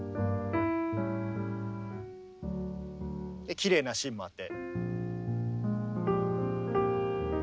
きれいなシーンもあって。